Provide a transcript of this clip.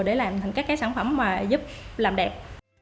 để làm thành các cái sản phẩm mà giúp làm đẹp